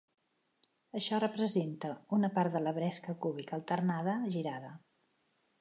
Això representa una part de la bresca cúbica alternada girada.